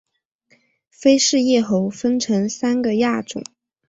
菲氏叶猴分成三个亚种